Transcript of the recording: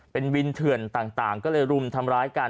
เป็นวินเถื่อนต่างก็เลยรุมทำร้ายกัน